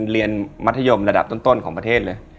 เรียนมัธยมระดับต้นของประเทศเลย